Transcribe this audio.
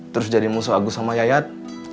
terus jadi musuh agus sama yayat